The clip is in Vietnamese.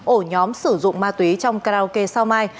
ổ nhóm sử dụng ma túy trong karaoke sao mai